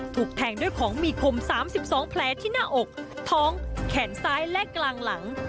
ถูกแทงด้วยของมีคม๓๒แผลที่หน้าอกท้องแขนซ้ายและกลางหลัง